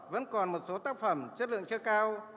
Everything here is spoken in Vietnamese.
vẫn còn một số tác phẩm chất lượng chưa cao